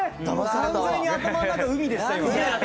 完全に頭の中海でした今。